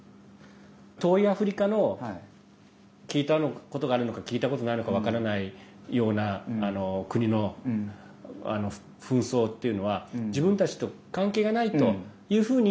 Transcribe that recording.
遠いアフリカの聞いたことがあるのか聞いたことがないのか分からないような国の紛争というのは自分たちと関係がないというふうに